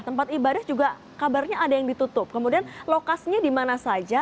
tempat ibadah juga kabarnya ada yang ditutup kemudian lokasinya di mana saja